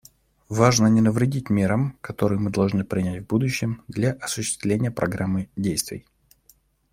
Важно не навредить мерам, которые мы должны принять в будущем для осуществления Программы действий.